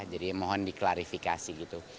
jadi mohon diklarifikasi gitu